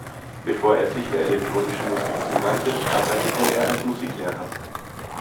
Bevor er sich der elektronischen Musik zuwandte, arbeitete er als Musiklehrer.